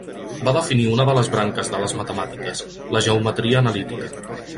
Va definir una de les branques de les matemàtiques, la geometria analítica.